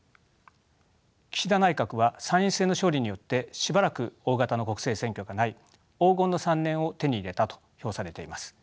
岸田内閣は参院選の勝利によってしばらく大型の国政選挙がない「黄金の３年」を手に入れたと評されています。